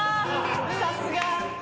さすが。